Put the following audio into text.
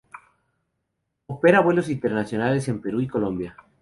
Opera vuelos interregionales en Perú y Colombia.